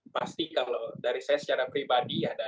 pasti kalau dari saya secara pribadi